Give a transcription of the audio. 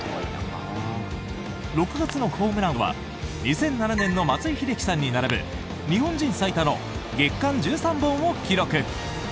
６月のホームランは２００７年の松井秀喜さんに並ぶ日本人最多の月間１３本を記録。